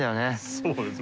そうですね。